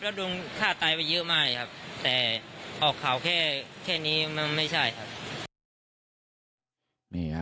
แล้วโดนฆ่าตายไปเยอะมากครับแต่ออกข่าวแค่นี้มันไม่ใช่ครับ